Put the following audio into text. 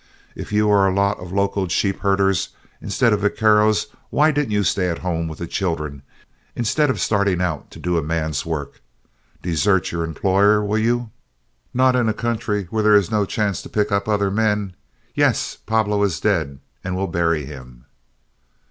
If you are a lot of locoed sheep herders instead of vaqueros, why didn't you stay at home with the children instead of starting out to do a man's work. Desert your employer, will you? Not in a country where there is no chance to pick up other men. Yes, Pablo is dead, and we'll bury him."